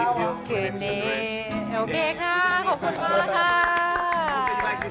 เจอคุณซุ่มมาแล้วซักที